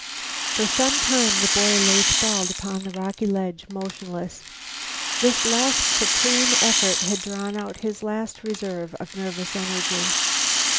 For some time the boy lay sprawled upon the rocky ledge motionless. This last supreme effort had drawn out his last reserve of nervous energy.